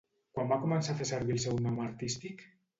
Quan va començar a fer servir el seu nom artístic?